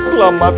pilih bacaan baru